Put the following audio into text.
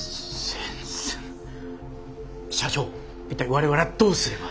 社長一体我々はどうすれば？